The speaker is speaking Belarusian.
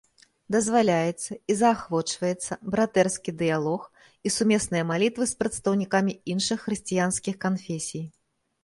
Дазваляецца і заахвочваецца братэрскі дыялог і сумесныя малітвы з прадстаўнікамі іншых хрысціянскіх канфесій.